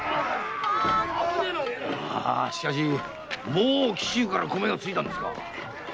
もう紀州から米が着いたんですか。